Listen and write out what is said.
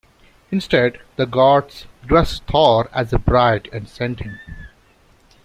Instead, the gods dressed Thor as a bride and sent him.